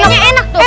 enak tuh kayaknya